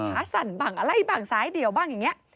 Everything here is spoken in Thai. สั่นบ้างอะไรบ้างซ้ายเดี่ยวบ้างอย่างนี้